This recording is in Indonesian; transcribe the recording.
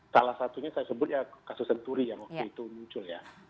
salah satunya saya sebut ya kasus senturi yang waktu itu muncul ya